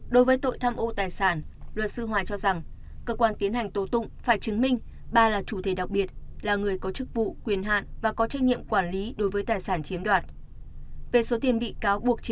đối với tội tham ô tài sản luật sư hoài cho rằng cơ quan tiến hành tố tụng phải chứng minh bà là chủ thể đặc biệt là người có chức vụ quyền hạn và có trách nhiệm quản lý đối với tài sản chiếm đoạt